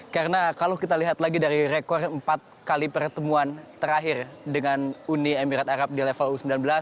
karena kalau kita lihat lagi dari rekor empat kali pertemuan terakhir dengan uni emirat arab di level u sembilan belas